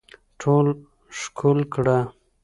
ټول ښکل کړه